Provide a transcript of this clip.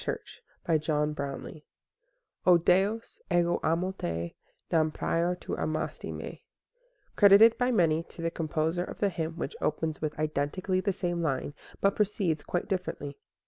Tuesday Morning O DEUS, EGO AMO TE, NAM PRIOR TU AMASTI ME Credited by many to the composer of the hymn which opens with identically the same line, but proceeds quite differently.